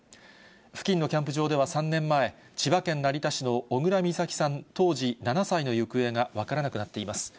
付近のキャンプ場では３年前、千葉県成田市の小倉美咲さん当時７歳の行方が分からなくなっています。